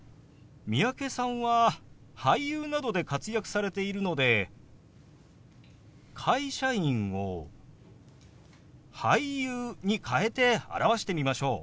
三宅さんは俳優などで活躍されているので「会社員」を「俳優」に変えて表してみましょう。